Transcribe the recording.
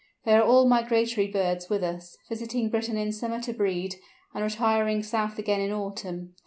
They are all migratory birds with us, visiting Britain in summer to breed, and retiring south again in autumn.